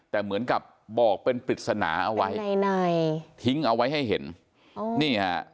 แต่เหมือนกับบอกเป็นปริศนาเอาไว้ในในทิ้งเอาไว้ให้เห็นอ๋อนี่ฮะ